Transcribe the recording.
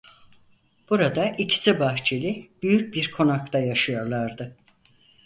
Burada ikisi bahçeli büyük bir konakta yaşıyorlardı.